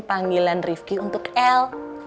panggilan rifki untuk el